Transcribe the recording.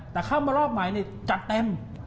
แต่เข้ามารอบใหม่นี่จัดเต็ม